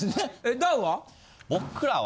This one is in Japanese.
ダウは？